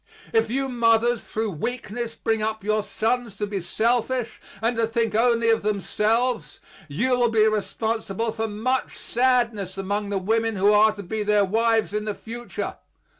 If you mothers through weakness bring up your sons to be selfish and to think only of themselves, you will be responsible for much sadness among the women who are to be their wives in the future.